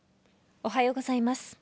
おはようございます。